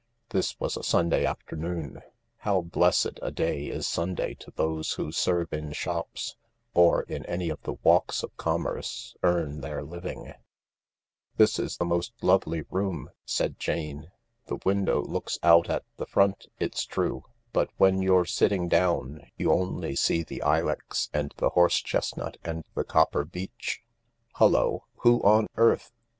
This was a Sunday afternoon. How blessed a day is Sunday to those who serve in shops, or, in any of the walks of commerce, earn their living !" This is a most lovely room," said Jane. " The window looks out at the front, it's true, but when you're sitting down you only see the ilex and the horse chestnut and the copper beech. Hullo ... who on earth